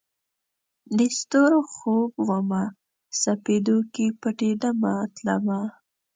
د ستورو خوب ومه، سپیدو کې پټېدمه تلمه